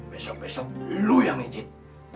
besok besok lu yang izin